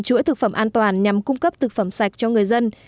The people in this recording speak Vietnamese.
chuỗi thực phẩm an toàn nhằm cung cấp thực phẩm sạch cho người dân